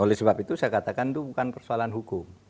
oleh sebab itu saya katakan itu bukan persoalan hukum